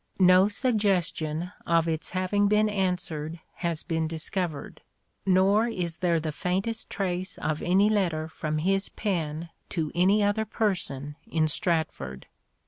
No suggestion of its having been answered has been discovered, nor is there the faintest trace of any letter from his pen to any other person in Stratford.